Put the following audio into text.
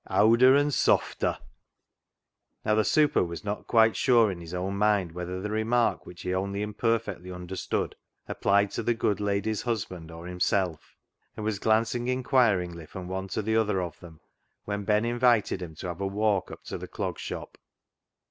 Owder and softer !" ««THE ZEAL OF THINE HOUSE" 277 Now, the " super " was not quite sure in his own mind whether the remark, which he only imperfectly understood, applied to the good lady's husband or himself, and was glancing inquiringly from one to the other of them when Ben invited him to have a walk up to the Clog Shop.